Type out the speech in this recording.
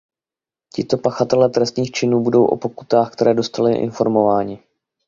Tito pachatelé trestných činů budou o pokutách, které dostali, informováni.